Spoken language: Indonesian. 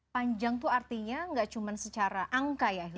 panjang itu artinya nggak cuma secara angka ya